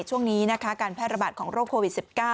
ช่วงนี้นะคะการแพร่ระบาดของโรคโควิด๑๙